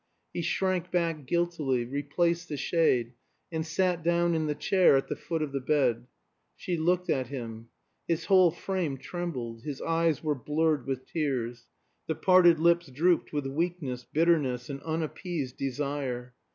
He shrank back guiltily, replaced the shade, and sat down in the chair at the foot of the bed. She looked at him. His whole frame trembled; his eyes were blurred with tears; the parted lips drooped with weakness, bitterness, and unappeased desire.